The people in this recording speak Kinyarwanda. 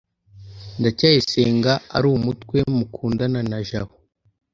ndacyayisenga arumutwe mukundana na jabo